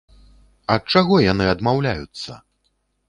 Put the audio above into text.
Ад чаго яны адмаўляюцца?